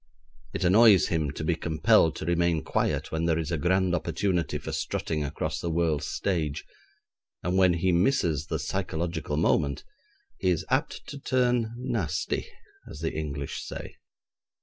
It annoys him to be compelled to remain quiet when there is a grand opportunity for strutting across the world's stage, and when he misses the psychological moment, he is apt to turn 'nasty', as the English say.